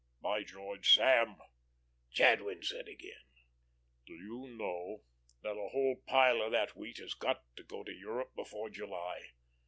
"By George, Sam," Jadwin said again, "do you know that a whole pile of that wheat has got to go to Europe before July?